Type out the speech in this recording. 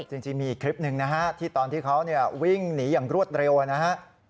จริงมีอีกคลิปหนึ่งนะฮะที่ตอนที่เขาวิ่งหนีอย่างรวดเร็วนะฮะ